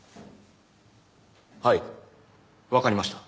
はいわかりました。